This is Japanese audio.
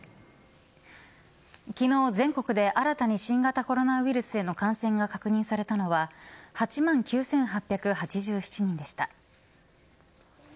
昨日、全国で新たに新型コロナウイルスへの感染が確認されたのは８万９８８７人でした。